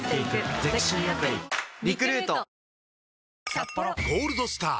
ハロー「ゴールドスター」！